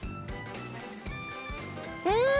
うん！